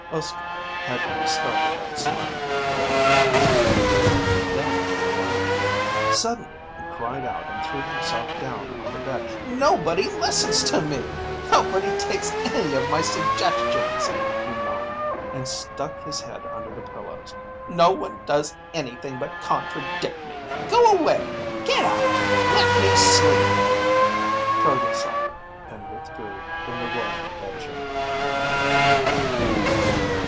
Uske had started out smiling. It turned to a giggle. Then to a laugh. Suddenly he cried out and threw himself down on the bed. "Nobody listens to me! Nobody takes any of my suggestions!" He moaned and stuck his head under the pillows. "No one does anything but contradict me. Go away. Get out. Let me sleep." Chargill sighed and withdrew from the royal bedchamber.